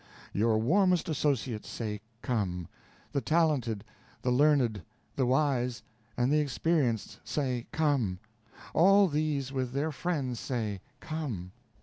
Your warmest associates say come; the talented, the learned, the wise, and the experienced say come; all these with their friends say, come.